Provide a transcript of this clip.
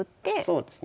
そうですね。